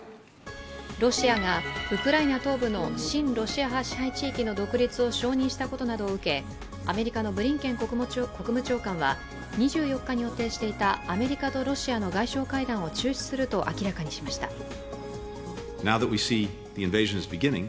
ロシアがウクライナ東部の親ロシア派支配地域の独立を承認したことなどを受けアメリカのブリンケン国務長官は２４日に予定していたアメリカとロシアの外相会談を中止すると明らかにしました。